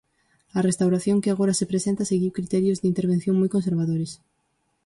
A restauración que agora se presenta seguiu criterios de intervención moi conservadores.